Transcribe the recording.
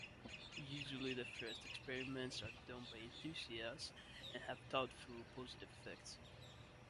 Usually the first experiments are done by enthusiasts and have doubtful positive effects.